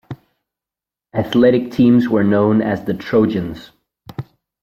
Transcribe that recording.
Athletic teams were known as the Trojans.